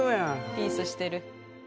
ピースしてる。